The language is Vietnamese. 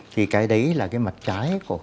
thì cái đấy là cái mặt trả lời của mình